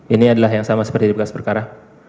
ini adalah yang sama seperti di bekas perkara